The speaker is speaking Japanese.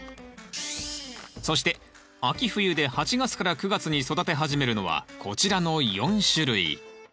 そして秋冬で８月から９月に育て始めるのはこちらの４種類。